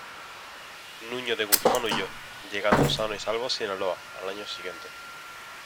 Nuño de Guzmán huyó, llegando sano y salvo a Sinaloa, al año siguiente.